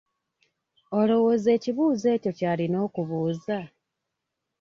Olowooza ekibuuzo ekyo ky'alina okubuuza?